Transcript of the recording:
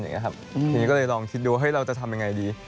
ทีนี้ก็เลยลองคิดดูว่าเราจะทำยังไงดี